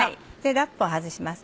ラップを外します